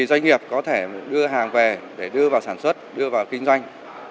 doanh nghiệp có thể đưa hàng về để đưa vào sản xuất đưa vào kinh doanh